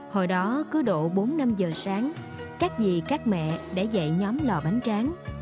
hồi đó cứ độ bốn năm giờ sáng các dì các mẹ đã dậy nhóm lò bánh tráng